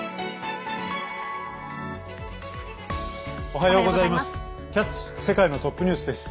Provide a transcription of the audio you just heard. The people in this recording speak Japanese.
おはようございます。